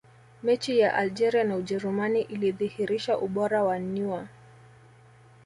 mechi ya algeria na ujerumani ilidhihirisha ubora wa neuer